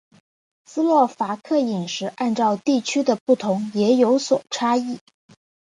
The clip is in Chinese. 斯洛伐克饮食按照地区的不同也有所差异。